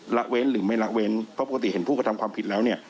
ละเว้นหรือไม่ละเว้นเพราะปกติเห็นผู้กระทำความผิดแล้วเนี่ย